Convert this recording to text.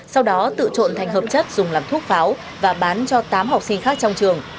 sau đó tự trộn thành hợp chất dùng làm thuốc pháo và bán cho tám học sinh khác trong trường